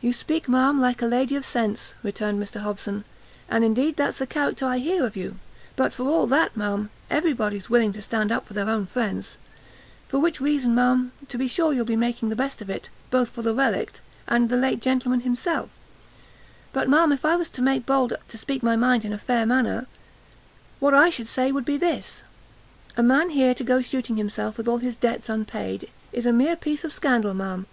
"You speak, ma'am, like a lady of sense," returned Mr Hobson, "and, indeed, that's the character I hear of you; but for all that, ma'am, every body's willing to stand up for their own friends, for which reason, ma'am, to be sure you'll be making the best of it, both for the Relict, and the late gentleman himself; but, ma'am, if I was to make bold to speak my mind in a fair manner, what I should say would be this; a man here to go shooting himself with all his debts unpaid, is a mere piece of scandal, ma'am!